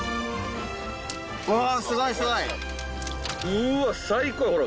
うわ最高ほら。